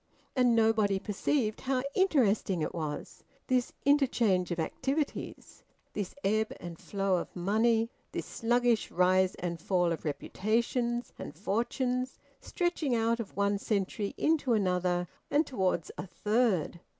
And nobody perceived how interesting it was, this interchange of activities, this ebb and flow of money, this sluggish rise and fall of reputations and fortunes, stretching out of one century into another and towards a third!